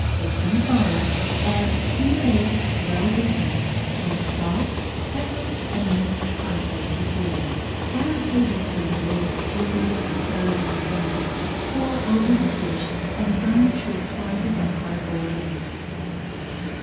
Take from the fire, add two eggs well beaten, and salt, pepper, and minced parsley to season. Add a tablespoonful of capers or tarragon vinegar, pour over the fish, and garnish with slices of hard boiled eggs.